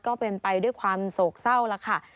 ก็เป็นไปด้วยความโศกเศร้าแล้วค่ะ